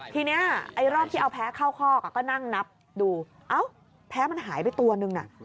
ทีนี้ไอ้รอบที่เอาแพ้เข้าคอกก็นั่งนับดูเอ้าแพ้มันหายไปตัวนึงน่ะ